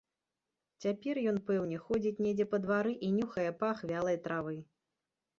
Цяпер ён, пэўне, ходзіць недзе па двары і нюхае пах вялай травы.